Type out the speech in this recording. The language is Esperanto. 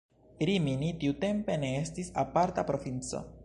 Rimini tiutempe ne estis aparta provinco.